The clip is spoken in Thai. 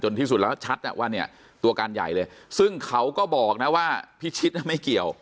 จนที่สุดชัดน่ะตัวการใหญ่เลยซึ่งเขาก็บอกน่ะว่าพิชิตไม่เกี่ยว